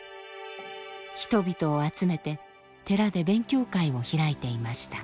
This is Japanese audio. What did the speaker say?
人々を集めて寺で勉強会を開いていました。